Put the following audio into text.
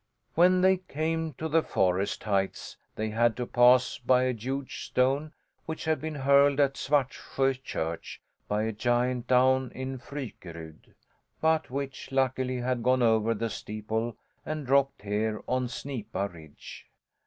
When they came to the forest heights they had to pass by a huge stone which had been hurled at Svartsjö Church, by a giant down in Frykerud, but which, luckily, had gone over the steeple and dropped here on Snipa Ridge.